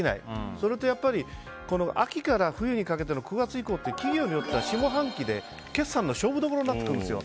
それと、秋から冬にかけての９月以降って企業によっては下半期で決算の勝負どころになってくるんですよ。